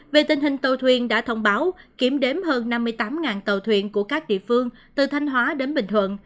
về tình hình tàu thuyền đã thông báo kiểm đếm hơn năm mươi tám tàu thuyền của các địa phương từ thanh hóa đến bình thuận